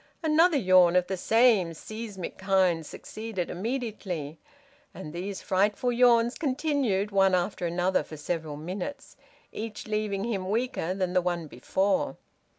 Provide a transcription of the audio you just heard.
Another yawn of the same seismic kind succeeded immediately, and these frightful yawns continued one after another for several minutes, each leaving him weaker than the one before.